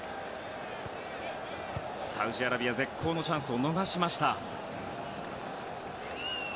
サウジアラビア絶好のチャンスを逃しました。